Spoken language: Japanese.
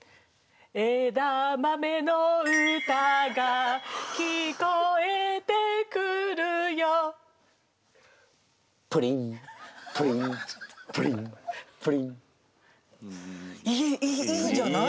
えだ豆のうたがきこえてくるよプリンプリンプリンプリンいいいいじゃない。